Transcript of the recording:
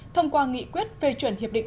thông qua nghị quyết phê chuyển hiệp định